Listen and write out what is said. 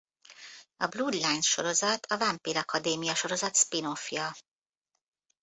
A Bloodlines-sorozat a Vámpírakadémia-sorozat spin-offja.